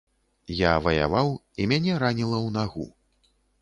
Я ваяваў, і мяне раніла ў нагу.